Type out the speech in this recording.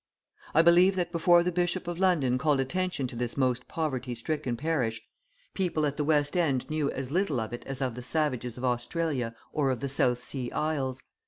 I believe that before the Bishop of London called attention to this most poverty stricken parish, people at the West End knew as little of it as of the savages of Australia or the South Sea Isles.